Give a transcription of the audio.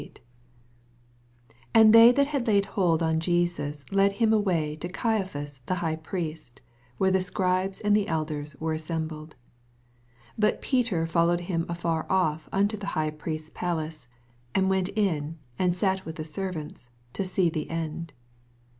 67 And they that had laid hold on Jesus lod him away to Caiaphas the High Priest, where the Scribes and the elders were assembled. 08 But Feter followed him a&r off unto the High Priest's palace, and went in, and sat with the servants, to see the end.